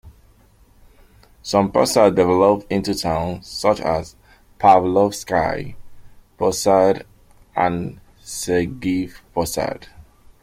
Some posads developed into towns, such as Pavlovsky Posad and Sergiev Posad.